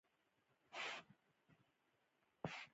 کاري راپور ولې لیکل کیږي؟